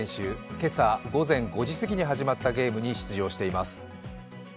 今朝午前５時過ぎに始まった試合に出場しています。